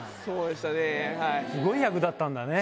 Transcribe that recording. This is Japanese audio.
すごい役立ったんだね